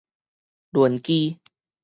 輪機